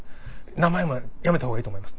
名前もやめたほうがいいと思います。